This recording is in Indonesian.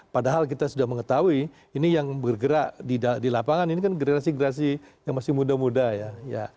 padahal kita sudah mengetahui ini yang bergerak di lapangan ini kan generasi generasi yang masih muda muda ya